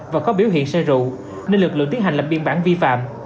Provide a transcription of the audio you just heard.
và có biểu hiện xe rượu nên lực lượng tiến hành là biên bản vi phạm